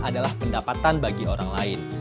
adalah pendapatan bagi orang lain